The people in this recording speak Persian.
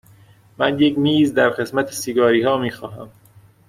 من یک میز در قسمت سیگاری ها می خواهم.